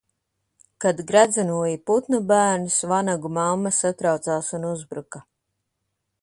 Kad gredzenoja putnu bērnus, vanagu mamma satraucās un uzbruka